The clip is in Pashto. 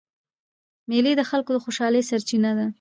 مېلې د خلکو د خوشحالۍ سرچینه ده.